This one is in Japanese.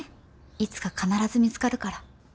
いつか必ず見つかるから。